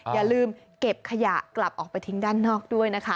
อย่าลืมเก็บขยะกลับออกไปทิ้งด้านนอกด้วยนะคะ